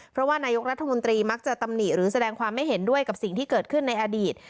เพราะว่านายกรัฐมนตรีมักจะตำหนิหรือแสดงความไม่เห็นด้วยกับสิ่งที่เกิดขึ้นในอดีต